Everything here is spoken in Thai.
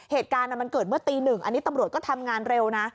เหตุการณ์มันเกิดเมื่อตีหนึ่งอันนี้ตำรวจก็ทำงานเร็วนะ